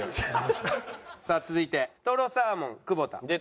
さあ続いてとろサーモン久保田。